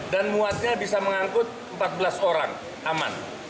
dan muatnya bisa mengangkut empat belas orang aman